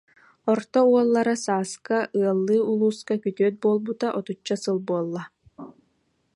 Орто уоллара Сааска ыаллыы улууска күтүөт буолбута отучча сыл буолла